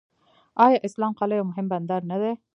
آیا اسلام قلعه یو مهم بندر نه دی؟